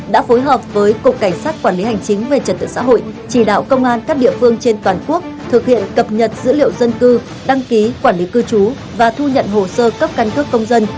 đã phối hợp với cục cảnh sát quản lý hành chính về trật tự xã hội chỉ đạo công an các địa phương trên toàn quốc thực hiện cập nhật dữ liệu dân cư đăng ký quản lý cư trú và thu nhận hồ sơ cấp căn cước công dân